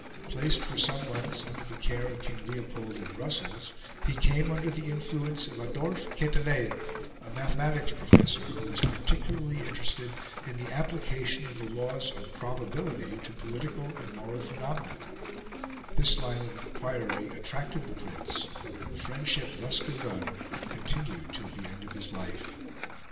Placed for some months under the care of King Leopold at Brussels, he came under the influence of Adolphe Quetelet, a mathematical professor, who was particularly interested in the application of the laws of probability to political and moral phenomena; this line of inquiry attracted the Prince, and the friendship thus begun continued till the end of his life.